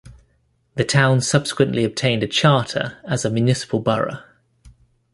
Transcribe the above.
The town subsequently obtained a charter as a municipal borough.